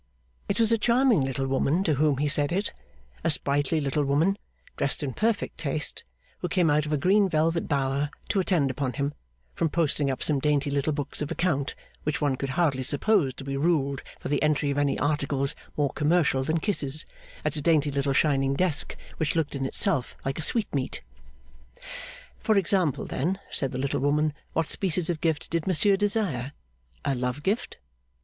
It was a charming little woman to whom he said it a sprightly little woman, dressed in perfect taste, who came out of a green velvet bower to attend upon him, from posting up some dainty little books of account which one could hardly suppose to be ruled for the entry of any articles more commercial than kisses, at a dainty little shining desk which looked in itself like a sweetmeat. For example, then, said the little woman, what species of gift did Monsieur desire? A love gift?